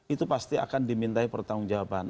itu pasti akan dimintai pertanggung jawaban